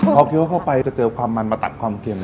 พอเคี้ยวเข้าไปจะเจอความมันมาตัดความเค็ม